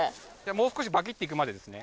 もう少しバキッていくまでですね